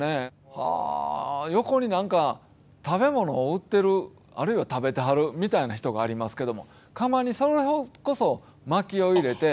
横に、なんか食べ物を売ってるあるいは食べてはるみたいな人がありますけども窯に、それこそ、まきを入れて。